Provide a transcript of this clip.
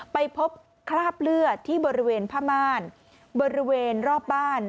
ไปพบคราบเลือดที่บริเวณผ้าม่านบริเวณรอบบ้าน